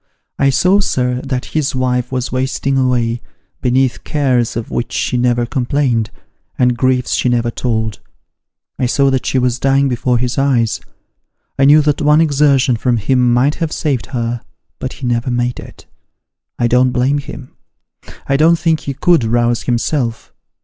I saw, sir, that his wife was wasting away, beneath cares of which she never complained, and griefs she never told. I saw that she was dying before his eyes ; I knew that one exertion from him might have saved her, but he never made it. I don't blame him : I don't think ho could rouse himself.